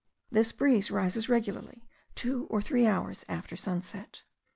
This breeze rises regularly two or three hours after sunset.